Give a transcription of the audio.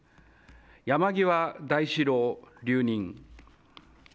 山際大志郎、留任。